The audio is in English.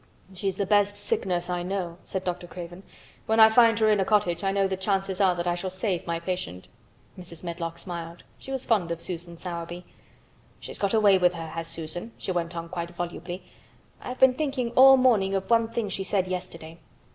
"She's the best sick nurse I know," said Dr. Craven. "When I find her in a cottage I know the chances are that I shall save my patient." Mrs. Medlock smiled. She was fond of Susan Sowerby. "She's got a way with her, has Susan," she went on quite volubly. "I've been thinking all morning of one thing she said yesterday.